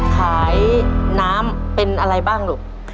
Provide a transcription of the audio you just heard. ขายน้ำเป็นอะไรบ้างลูก